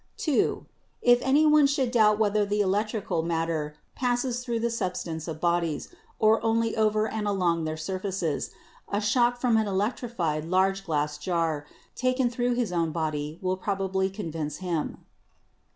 "(2) If any one should doubt whether the electrical matter passes through the substance of bodies, or only over and along their surfaces, a shock from an elec trified large glass jar, taken through his own body, will probably convince him.